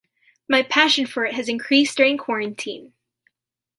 My passion for it has increased during quarantine.